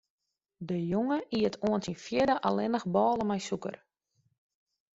De jonge iet oant syn fjirde allinnich bôle mei sûker.